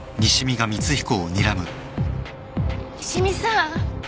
西見さん！